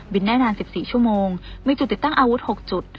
ได้นาน๑๔ชั่วโมงมีจุดติดตั้งอาวุธ๖จุด